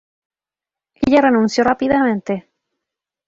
Ella renunció rápidamente.